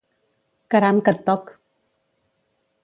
Caram, que et toc!